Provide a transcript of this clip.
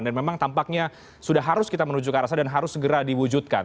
dan memang tampaknya sudah harus kita menuju ke arah sana dan harus segera diwujudkan